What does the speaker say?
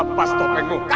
anak kepala desa kita